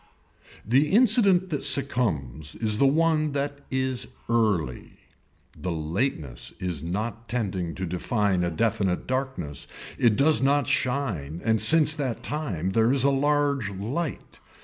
The incident that succumbs is the one that is early. The lateness is not tending to define a definite darkness, it does not shine and since that time there is a large light.